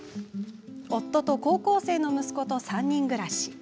夫と高校生の息子との３人暮らし。